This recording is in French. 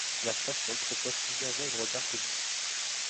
La station propose plusieurs œuvres d'art public.